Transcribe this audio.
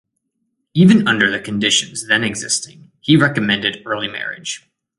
Even under the conditions then existing, he recommended early marriage.